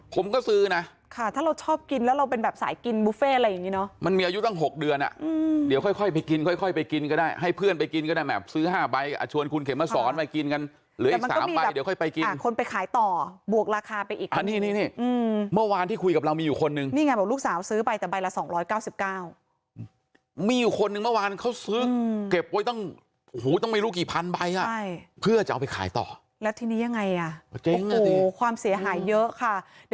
ผมก็ซื้อนะค่ะถ้าเราชอบกินแล้วเราเป็นแบบสายกินบุฟเฟต์อะไรอย่างงี้เนาะมันมีอายุตั้งหกเดือนอ่ะอืมเดี๋ยวค่อยค่อยไปกินค่อยค่อยไปกินก็ได้ให้เพื่อนไปกินก็ได้แบบซื้อห้าใบอ่ะชวนคุณเข็มมาสอนไปกินกันเหลืออีกสามใบเดี๋ยวค่อยไปกินอ่ะคนไปขายต่อบวกราคาไปอีกอันนี้นี่นี่อืมเมื่อวานที่คุยกับ